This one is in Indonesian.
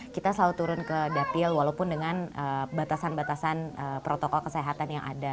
kita selalu turun ke dapil walaupun dengan batasan batasan protokol kesehatan yang ada